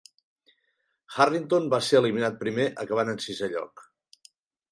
Harrington va ser eliminat primer, acabant en sisè lloc.